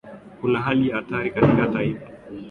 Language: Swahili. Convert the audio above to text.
kuna hali ya hatari katika taifa